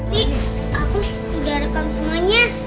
nih aku udah rekam semuanya